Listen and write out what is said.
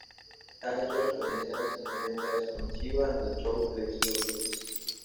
Se ha hecho referencia recientemente a Sonny Chiba en el show televisivo "Chuck".